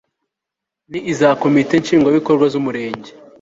n iza komite nshingwabikorwa zumurenge